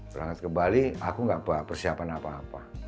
berangkat ke bali aku nggak persiapan apa apa